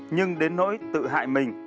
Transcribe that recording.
nhưng đến nỗi tự hại mình